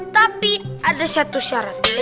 tapi ada satu syarat